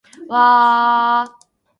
わーーーーーーーー